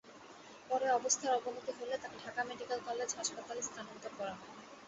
পরে অবস্থার অবনতি হলে তাঁকে ঢাকা মেডিকেল কলেজ হাসপাতালে স্থানান্তর করা হয়।